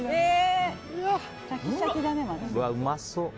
うわ、うまそう。